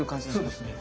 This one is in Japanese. そうですね。